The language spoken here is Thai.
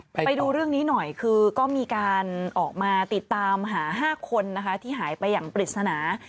ไปดูเรื่องนี้หน่อยคือก็มีการออกมาติดตามหา๕คนนะคะที่หายไปอย่างปริศนา